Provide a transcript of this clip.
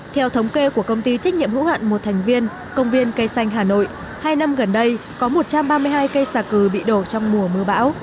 theo thống kê của công ty trách nhiệm hữu hạn một thành viên công viên cây xanh hà nội hai năm gần đây có một trăm ba mươi hai cây xà cừ bị đổ trong mùa mưa bão